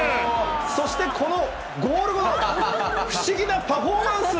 そして、このゴール後の不思議なパフォーマンス。